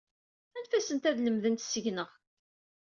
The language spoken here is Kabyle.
Anef-asent ad lemdent seg-neɣ.